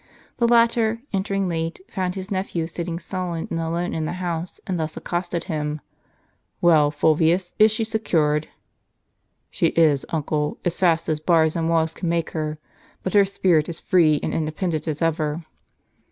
The latter, entering late, found his nephew sitting sullen and alone in the house, and thus accosted him : "Well, Fulvius, is she secured?" "She is, uncle, as fast as bars and walls can make her; but her spirit is free and independent as evei'."